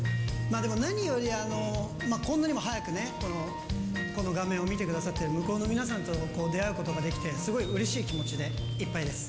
でも何より、こんなにも早くね、この画面を見てくださってる向こうの皆さんと出会うことができて、すごいうれしい気持ちでいっぱいです。